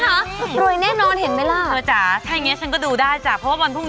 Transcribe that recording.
ก็นิดหนึ่งก็ไม่ได้หรอก